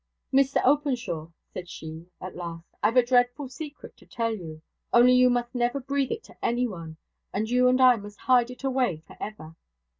'Master Openshaw,' said she, at last, 'I've a dreadful secret to tell you only you must never breathe it to anyone, and you and I must hide it away for ever.